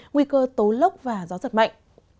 nguy cơ tố lốc và gió giật mạnh